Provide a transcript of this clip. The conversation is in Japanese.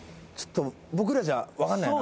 僕らじゃ分かんないよな。